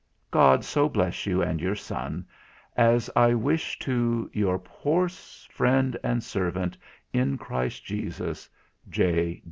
God so bless you and your son, as I wish to "Your poor friend and Servant "In Christ Jesus, "J.